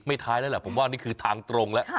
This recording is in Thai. ท้ายแล้วแหละผมว่านี่คือทางตรงแล้ว